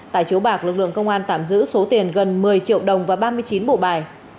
tại chiếu bạc lực lượng công an tạm giữ số tiền gần một mươi triệu đồng và ba mươi chín bộ bài